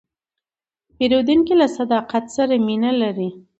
پیرودونکی له صداقت سره مینه لري.